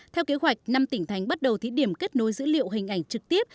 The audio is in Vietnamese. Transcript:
theo kế hoạch năm tỉnh thánh bắt đầu thí điểm kết nối dữ liệu hình ảnh trực tiếp